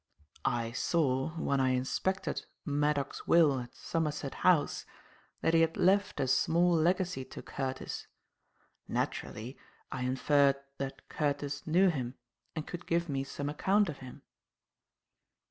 "I saw, when I inspected Maddock's will at Somerset House, that he had left a small legacy to Curtis. Naturally, I inferred that Curtis knew him and could give me some account of him."